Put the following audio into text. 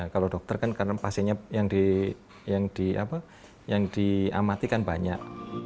kalau dokter kan karena pasiennya yang diamatikan banyak